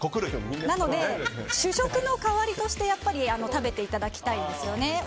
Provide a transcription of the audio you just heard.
なので、主食の代わりとして食べていただきたいんですよね。